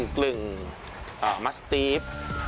กลิ่นมัสตีฟ